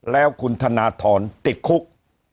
แล้วคุณธนทรติดคุก